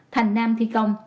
thành nam thi công